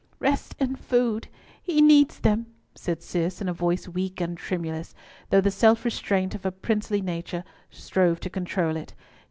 "Rest and food—he needs them," said Cis, in a voice weak and tremulous, though the self restraint of her princely nature strove to control it.